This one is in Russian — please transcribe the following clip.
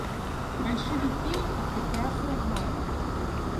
Большевики это прекрасно знают.